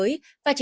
và chỉ tầm chút